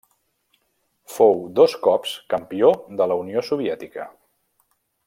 Fou dos cops Campió de la Unió Soviètica.